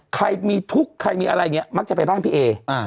ใครมีทุกข์ใครมีอะไรอย่างนี้มักจะไปบ้านพี่เอ